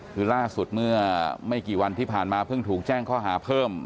คือล่าสุดเมื่อไม่กี่วันที่ผ่านมาเพิ่งถูกแจ้งข้อหาเพิ่ม